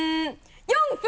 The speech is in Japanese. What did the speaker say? ４分！